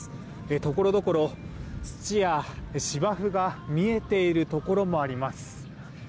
ところどころ土や芝生が見えているところもあります。